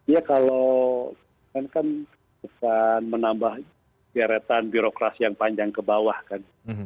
ya kalau kan bukan menambah geretan birokrasi yang panjang ke bawah kan